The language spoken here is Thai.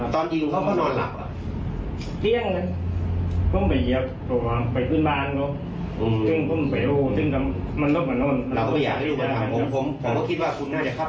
ตอนจริงเขาเขานอนหลับเปลี่ยงพ่อไปเยียบไปขึ้นบ้านเขา